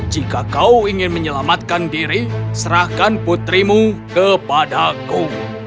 jika kau ingin menyelamatkan diri serahkan putrimu kepadaku